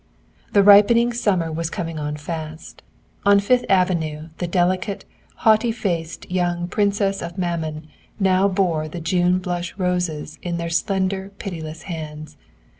The ripening summer was coming on fast. On Fifth Avenue the delicate, haughty faced young Princesses of Mammon now bore the June blush roses in their slender pitiless hands.